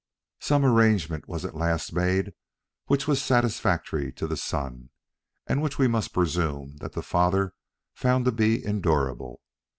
Some arrangement was at last made which was satisfactory to the son, and which we must presume that the father found to be endurable.